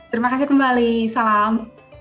terima kasih kembali salam